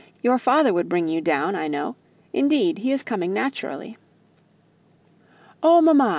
Your father would bring you down, I know: indeed, he is coming naturally." "Oh, mamma!"